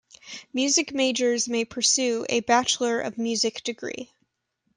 Music majors may pursue a Bachelor of Music degree.